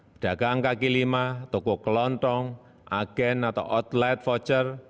pedagang kaki lima toko kelontong agen atau outlet voucher